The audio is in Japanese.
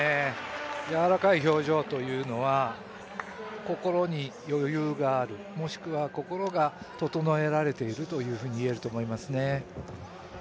やわらかい表情というのは心に余裕があるもしくは心が整えられているといえると思いますね。